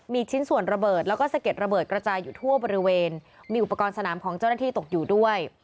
มีชิ้นส่วนระเบิดแล้วก็สะเก็ดระเบิดกระจายอยู่ทั่วบริเวณมีอุปกรณ์สนามของเจ้าหน้าที่ตกอยู่ด้วย